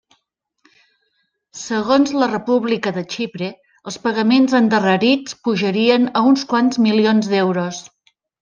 Segons la República de Xipre, els pagaments endarrerits pujarien a uns quants milions d'euros.